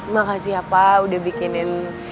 makasih apa udah bikinin